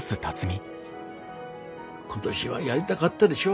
今年はやりだがったでしょ。